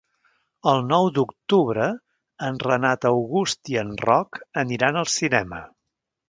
El nou d'octubre en Renat August i en Roc aniran al cinema.